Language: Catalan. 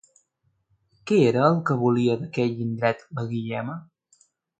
Què era el que volia d'aquell indret la Guillema?